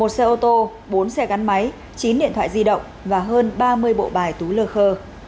một xe ô tô bốn xe gắn máy chín điện thoại di động và hơn ba mươi bộ bài tú lơ khơ